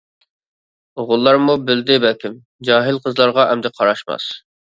ئوغۇللارمۇ بىلدى بەلكىم، جاھىل قىزلارغا ئەمدى قاراشماس.